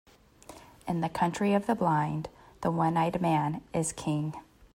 In the country of the blind, the one-eyed man is king.